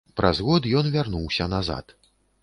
Праз год ён вярнуўся назад.